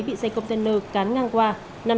bị xe container cán ngang qua